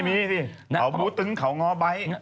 เขาบู๊ตึงเขาง้อใบ